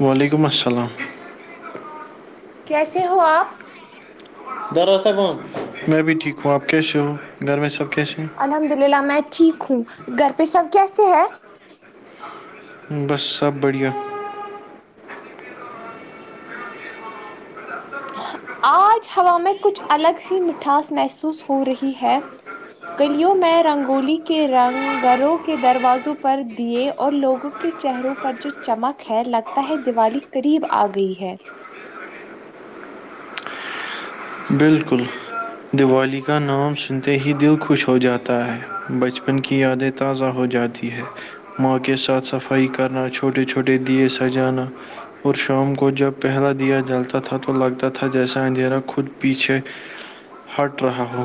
وعلیکم السلام کیسے ہو آپ درا صاحب میں بھی ٹھیک ہوں آپ کیسے ہو گھر میں سب کیشے ہیں الحمد للہ میں ٹھیک ہوں گھر پہ سب کیسے ہے بس سب بڑھیا [inaudible] آج ہوا میں کچھ الگ سی مٹھاس محسوس ہو رہی ہے گلیوں میں رنگولی کے رنگ گروں کے دروازوں پر دیے اور لوگ کے چہروں پر جو چمک ہے لگتا ہے دیوالی قریب آ گئی ہے بالکل دیوالی کا نام سنتے ہی دل خوش ہو جاتا ہے بچپن کی یادت تازہ ہو جاتی ہے ماں کے ساتھ صفائی کرنا چھوٹے چھوٹے دیے سجانا اور شام کو جب پہلا دیا جلتا تھا تو لگتا تھا جیسا اندھیرا خود پیچھے ہٹ رہا ہو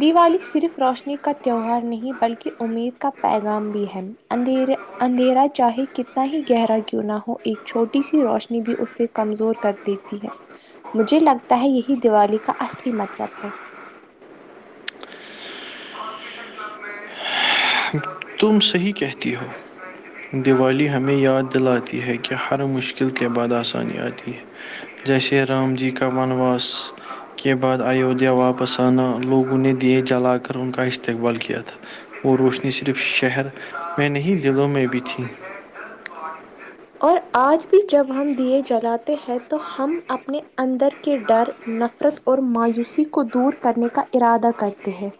دیوالی صرف روشنی کا تہوار نہیں بلکہ امید کا پیغام بھی ہے اندھیرے اندھیرا چاہے کتنا ہی گہرا کیوں نہ ہو ایک چھوٹی سی روشنی بھی اس سے کمزور کر دیتی ہے تم صحیح کہتی ہو دیوالی ہمیں یاد دلاتی ہے کہ ہر مشکل کے بعد آسانی آتی ہے جیسے رام جی کا ونواس کے بعد ایودھیا واپس آنا لوگوں نے دیے جلا کر ان کا استقبال کیا تھا وہ روشنی صرف شہر میں نہیں دضلوں میں بھی تھی [inaudible] اور آج بھی جب ہم دیے جلاتے ہیں تو ہم اپنے اندر کے ڈر نفرت اور مایوسی کو دور کرنے کا ارادہ کرتے ہیں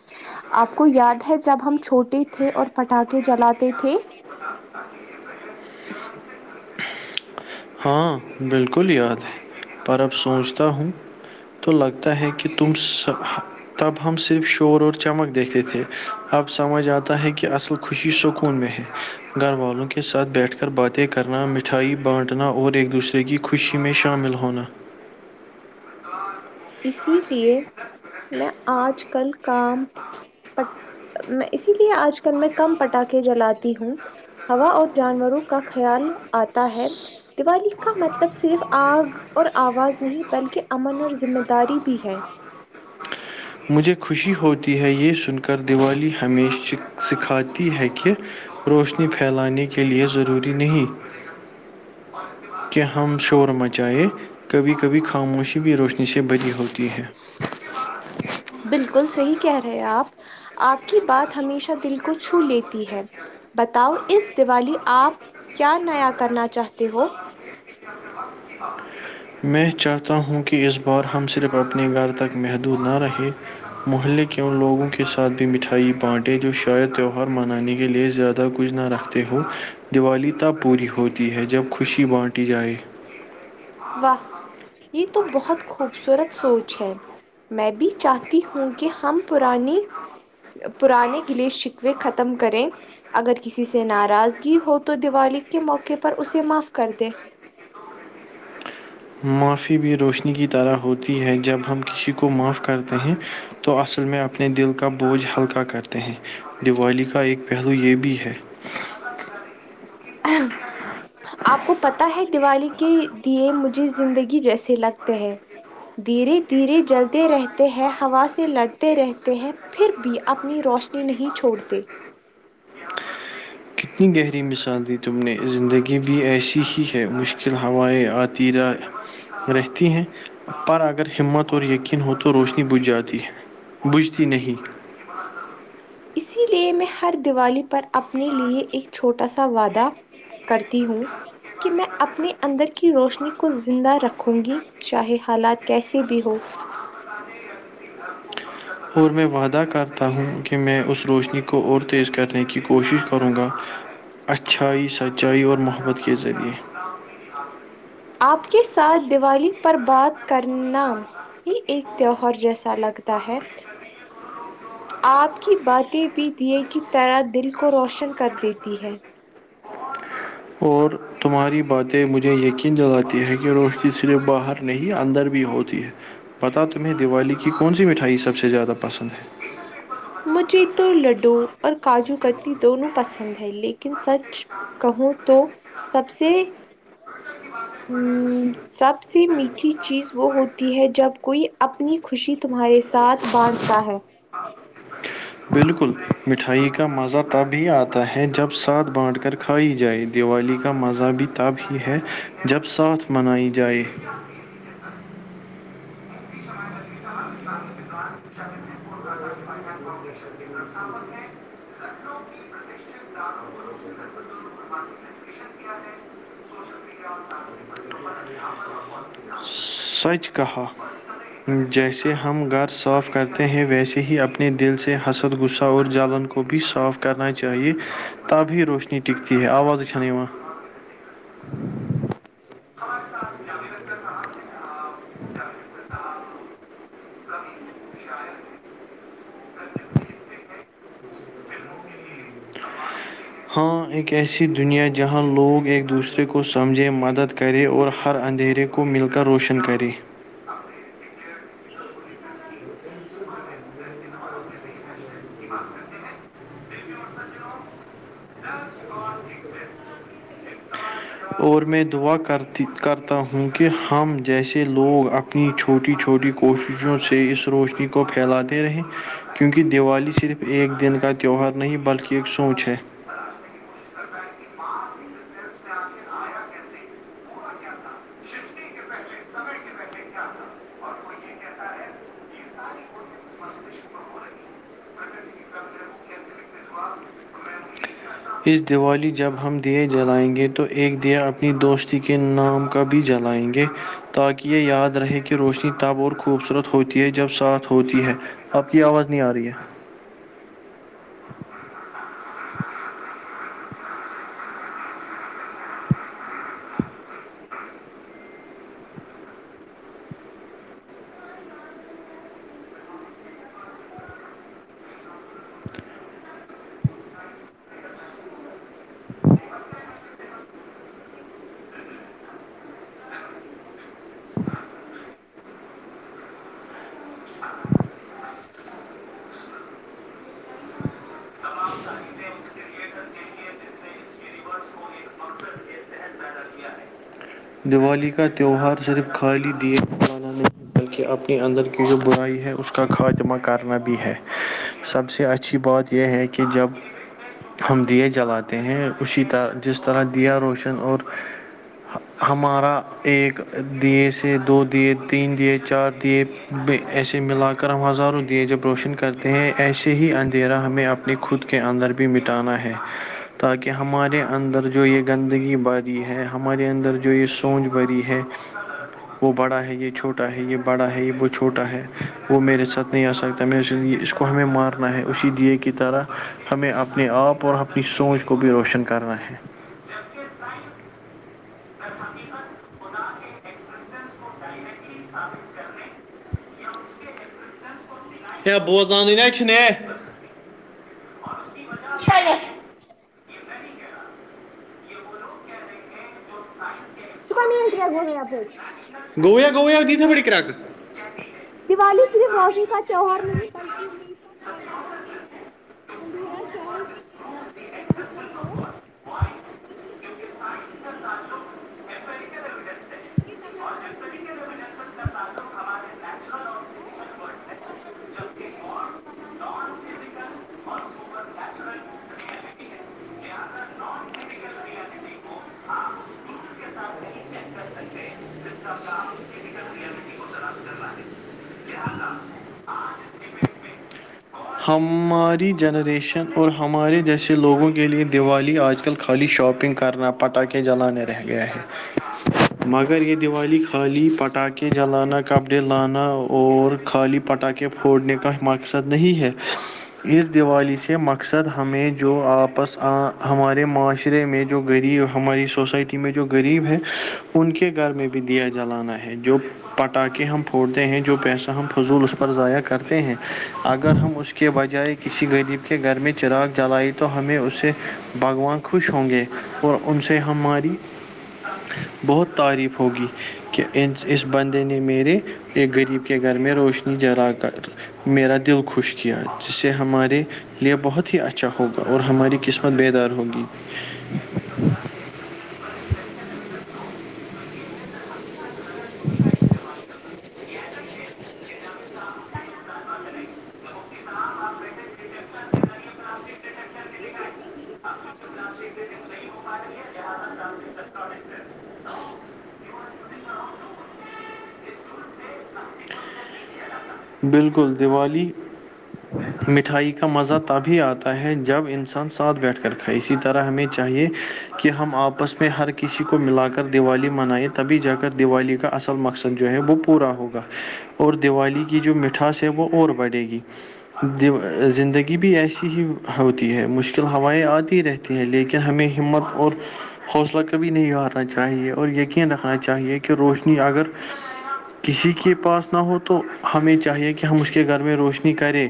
آپ کو یاد ہے جب ہم چھوٹے تھے اور پٹاخے جلاتے تھے ہاں بالکل یاد ہے پر اب سوچتا ہوں تو لگتا ہے کہ تم سب تب ہم صرف شور اور چمک دیکھتے تھے اب سمجھ آتا ہے کہ اصل خوشی سکون میں ہے گھر والوں کے ساتھ بیٹھ کر باتیں کرنا مٹھائی بانٹنا اور ایک دوسرے کی خوشی میں شامل ہونا اسی لیے میں آج کل کام میں اسی لیے آج کل میں کم پٹاخے جلاتی ہوں ہوا اور جانوروں کا خیال آتا ہے دیوالی کا مطلب صرف آگ اور آواز نہیں بلکہ امن اور ذم داری بھی ہے مجھے خوشی ہوتی ہے یہ سن کر دیوالی ہمیش سکھاتی ہے کہ روشنی پھیلانے کے لئے ضروری نہیں کہ ہم شور مچائائے کبھی کبھی خاموشی بھی روشنی سے بھری ہوتی ہے بالکل صحیح کہہ رہے آپ آپ کی بات ہمیشہ دل کو چھو لیتی ہے بتاؤ اس دیوالی آپ کیا نیا کرنا چاہتے ہو ب میں چاہتا ہوں کہ اس بار ہم صرف اپنے گھر تک محدود نہ رہے محلے کے ان لوگوں کے ساتھ بھی مٹھائی بانٹے جو شاید تہوہار منانے کے لیے زیادہ کچھ نہ رکھ ہو دیوالی تب پوری ہوتی ہے جب خوشی بانٹی جائے واہ یہ تو بہت خوبصورت سوچ ہے میں بھی چاہتی ہوں کہ ہم پرانی پرانے گلش شکوے ختم کریں اگر کسی سے ناراضگی ہو تو دیوالی کے موقعے پر اسے معاف کر دے معافی بھی روشنی کی طرح ہوتی ہے جب ہم کسی کو معاف کرتے ہیں تو اصل میں اپنے دل کا بوجھ ہلکا کرتے ہیں دیوالی کا ایک پہلو یہ بھی ہے [inaudible] آپ کو پتا ہے دیوالی کے دیے مجھے زندگی جیسے لگتے ہے دھیرے دھیرے جلتے رہتے ہیں ہوا سے لڑتے رہتے ہیں پھر بھی اپنی روشنی نہیں چھوڑتے کتنی گہری مثال دی تم نے زندگی بھی ایسی ہی ہے مشکل ہوائیں آتییرہ رہتی ہیں پر اگر ہمت اور یقین ہو تو روشنی بجھ جاتی ہے بجھتی نہیں اسی لیے میں ہر دیوالی پر اپنے لیے ایک چھوٹا سا وعدہ کرتی ہوں کہ میں اپنے اندر کی روشنی کو زندہ رکھوں گی چاہے حالات کیسے بھی ہووں اور میں وعدہ کرتا ہوں کہ میں اس روشنی کو اور تیز کرنے کی کوشش کروں گا اچھائی سچائی اور محبت کے ذریعے آپ کے ساتھ دیوالی پر بات کرنا یہ ایک تہوہار جیسا لگتا ہے آپ کی باتیں بھی دیے کی طیرح دل کو روشن کر دیتی ہے اور تمہاری باتیں مجھے یقین دلاتی ہے کہ روشنی صرف باہر نہیں اندر بھی ہوتی ہے پتا تمہیں دیوالی کی کون سی مٹھائی سب سے زیادہ پسند ہے مجھے تو لڈو اور کاجو کتی دونوں پسند ہے لیکن سچ کہوں تو سب سے ا سب سے میٹھی چیز وہ ہوتی ہے جب کوئی اپنی خوشی تمہارے ساتھ بانٹتا ہے بالکل مٹھائی کا مزہ تب ہی آتا ہے جب ساتھ بانٹ کر کھائی جائے دیوالی کا مزہ بھی تب ہی ہے جب ساتھ منائی جائے سچ کہہا جیسے ہم گھر صاف کرتے ہیں ویسے ہی اپنے دل سے حسد غصہ اور جالن کو کو بھی صاف کرنا چاہیے تبھی روشنی ٹکتی ہے آواز چ نی س ج س س ہ ایک ایسی دنیا جہاں لوگ ایک دوسرے کو سمجھے مدد کرے اور ہر اندھیرے کو مل کر روشن کرے ا دیوالی ھم اوراں سالھ اور میں دعا کرتی کرتا ہوں کہ ہم جیسے لوگ اپ چھوٹی چھوٹی کوششوں سے اس روشنی کو پھیلاتے رہیں کیونکہ دیوالی صرف ایک دن کا تہوہار نہیں بلکہ ایک سونچ ہے اس دیوالی جب ہم دیے جلائیں گے تو ایک دیا اپنی دوستی کے نامک بھی جلائیں گے تاکہ یہ یاد رہے کہ روشنی تب اور خوبصورت ہوتی ہے جب ساتھ ہوتی ہے آپ کی آواز نہیں آ رہی ہے اور د اب سمج آ ہاں ج ب کرناائی بالنا سہی دیوالی کا تہوہار صرف خالی دیر م بلکہ اپنے اندر کی جو برائی ہے اس کا خاتمہ کرنا بھی ہے سب سے اچھی بات یہ ہے کہ جب ہم دیے جلاتے ہیں اسی طرح جس طرح دیا روشن اور ہمارا ایک دیے سے دو دیے تین دیے چار دیے ایسے ملا کر ہم ہزاروں دیے جب روشن کرتے ہیں ایسے ہی اندھیرا ہمیں اپ خود کے اندر بھی مٹانا ہے تاکہ ہمارے اندر جو یہ گندگی ب ہے ہمارے اندر جو یہ سوچ بری ہے وہ بڑا ہے یہ چھوٹا ہے یہ بڑا ہے یہ وہ چھوٹا ہے وہ میرے ساتھ نہیں آ سکتا میرے اس کو ہمیں مارنا ہے اسی دیے کی طرح ہمیں اپنے آپ اور اپنی سوچ کو بھی روشن کرنا ہے جبکہ سائنس حقیقت خدا کےسس کو ڈائریکٹلی سثابت کرنے یا اس کےپسین کو بوزان نچ ن خالے چکا میٹ و ہو گایاپ گو گویا آگ تھے بڑی کرک دیوالی صرف روشنی کا تیوار نہیں بلکہ اد کا پیغام بھی ہے اندھیرا چاہے کتنا [unintelligible] گہرا چنا ہو ایک چھوٹی سی روشنی دی اسے کمزور کر دیتی ہے مے لگتا ہے یہ دو کا اور اور آپے صبح کہتی ہیں ی ہمیں یاد دلاتی ہے کہ کر مشکل کے بعد آسانی آتی ہے جیسے رام ج سورناھ کے بان ایودھیا واپس آئے گ لوگوں ہمیں دیے جا ج ک کرر ش فلومگ ہماری جنریشن اور ہمارے جیسے لوگوں کے لیے دیوالی آج کل خالی شاپنگ کرنا پٹاخے جلانے رہ گیا ہے مگر یہ دیوالی خالی پٹاخے جلانا کپڑے لانا اور خالی پٹاخے پھوڑنے کا مقصد نہیں ہے [inaudible] اس دیوالی سے مقصد ہمیں جو آپس آ ہمارے معاشرے میں جو غریب ہماری سوسائٹی میں جو غریب ہیں ان کے گھر میں بھی بھی دیا جلانا ہے جو پٹاخے ہم پھوڑتے ہیں جو پیسہ ہم فضول اس پر ضائع کرتے ہیں اگر ہم اس کے بجائے کسی غریب کے گھر میں چراغ جلائی تو ہمیں اسے بھگوان خوش ہوں گے اور ان سے ہماری [inaudible] بہت تعریف ہوگی کہ اس بندے نے میرے ایک غریب کے گھر میں روشنی جرا کر میرا دل خوش کیا جس سے ہمارے لیے بہت ہی اچھا ہوگا اور ہماری قسمت بیدار ہوگی سن کر دیوالی [unintelligible] پلانے کے لیے ی نہیں کہ ساہ کبھی کبھی خاموشی روحنی سے باری ہوتی ہے بالکل دیوالی [unintelligible] مٹھائی کا مزہ تبھی آتا ہے جب انسان ساتھ بیٹھ کر کھائے اسی طرح ہمیں چاہیے کہ ہم آپس میں ہر کسی کو ملا کر دیوالی منائیں تبھی جا کر دیوالی کا اصل مقصد جو ہے وہ پورا ہوگا اور دیوالی کی جو مٹھاس ہے وہ اور بڑھے گی زندگی بھی ایسی ہی ہوتی ہے مشکل ہوائیں آتی رہتی ہے لیکن ہمیں ہمت اور حوصلہ کبھی نہیں ابھارنا چاہیے اور یقین رکھنا چاہیے کہ روشنی اگر کسی کے پاس نہ ہو تو ہمیں چاہیے کہ ہم اس کے گھر میں روشنی کریں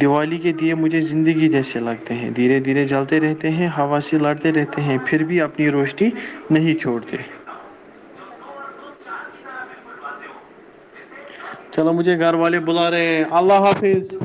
دیوالی کے مھ زندگی جیسے لگتے ہیں دھیرے دھیرے جلتے رہتے ہیں ہوا سے لڑتے رہتے ہیں پھر بھی اپنے اپنی روشنی نہیں چھوڑتے اظر بنائیں گے چلو مجھے گھر والے بلا رہے ہیں اللہ حافظ